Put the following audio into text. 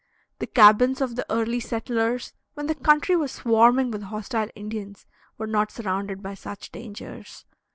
The cabins of the early settlers, when the country was swarming with hostile Indians, were not surrounded by such dangers.